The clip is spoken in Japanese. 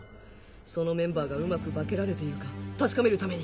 そのメンバーがうまく化けられているか確かめるために。